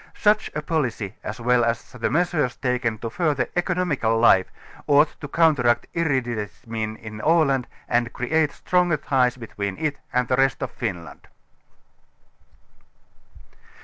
Such a policy as well as the measures taken to further economical life ought to counteract irri dentism in Aland and create stronger ties between it and the rest of Finland.